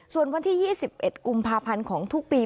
ส่วนวันที่๒๑กุมภาพันธ์ของทุกปี